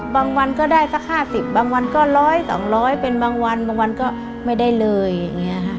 บางวันได้สัก๕๐บางวัน๑๐๐บางวัน๒๐๐บางวันใหม่ได้เลย